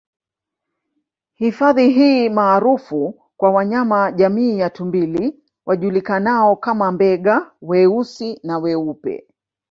Hifadhi hii maarufu kwa wanyama jamii ya tumbili wajulikanao kama Mbega weusi na weupe